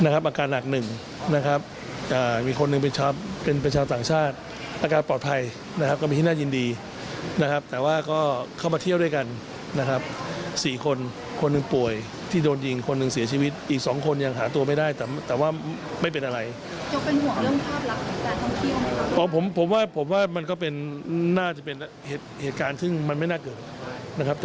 ขอบคุณในความใส่ใจของสบานไทย